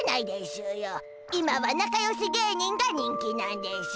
今はなかよし芸人が人気なんでしゅ。